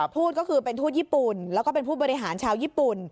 ทูตก็คือเป็นทูตญี่ปุ่นแล้วก็เป็นผู้บริหารชาวญี่ปุ่น